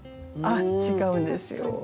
あっ違うんですよ。